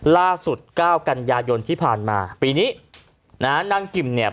ล่าสุดเก้ากันยายนที่ผ่านมาปีนี้นะฮะนางกิมเนี่ย